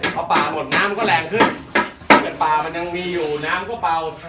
ผ่าป่าหมดน้ำก็แรงขึ้นเผื่อป่ามันยังมีอยู่น้ำก็เฝ้า